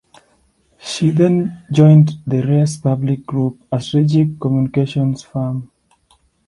She then joined the Res Publica Group, a strategic communications firm.